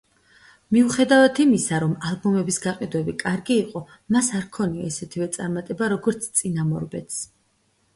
მიუხედავად იმისა, რომ ალბომის გაყიდვები კარგი იყო, მას არ ჰქონია ისეთივე წარმატება, როგორც წინამორბედს.